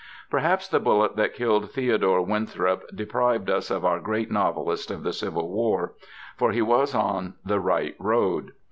Perhaps the bullet that killed Theodore Winthrop deprived us of our great novelist of the Civil War, for he was on the right road.